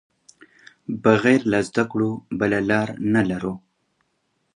بغیر له زده کړو بله لار نه لرو.